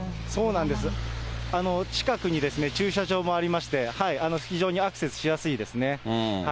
そうなんです、近くに駐車場もありまして、非常にアクセスしやすいですよね。